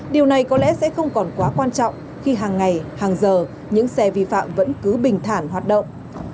điều này có lẽ sẽ không còn quá quan trọng khi hàng ngày hàng giờ những xe vi phạm vẫn cứ bình thản hoạt động